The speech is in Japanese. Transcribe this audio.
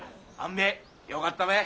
べえよかったべ。